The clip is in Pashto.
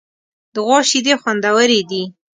د غوا شیدې خوندورې دي.